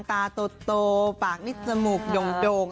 โตปากนิดจมูกหย่งโด่ง